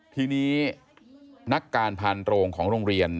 ทีนี้นักการพานโรงของโรงเรียน